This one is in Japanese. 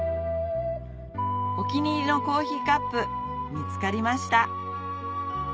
お気に入りのコーヒーカップ見つかりました